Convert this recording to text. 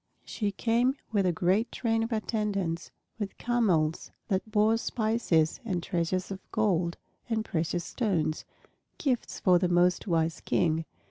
She came with a great train of attendants, with camels that bore spices and treasures of gold and precious stones, gifts for the most wise King.